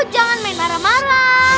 jangan main marah marah